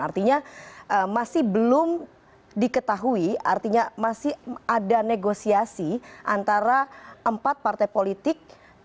artinya masih belum diketahui artinya masih ada negosiasi antara empat partai politik